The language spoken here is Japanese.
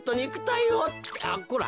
あっこら